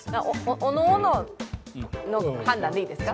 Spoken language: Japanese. おのおのの判断でいいですか？